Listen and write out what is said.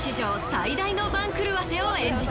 最大の番狂わせを演じた。